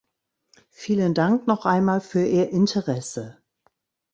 Vielen Dank noch einmal für Ihr Interesse.